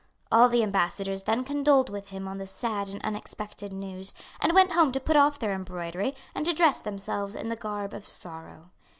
All the Ambassadors then condoled with him on the sad and unexpected news, and went home to put off their embroidery and to dress themselves in the garb of sorrow.